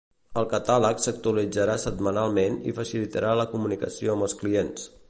El catàleg s'actualitzarà setmanalment i facilitarà la comunicació amb els clients.